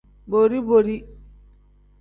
Bori-bori.